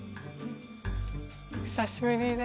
久しぶり。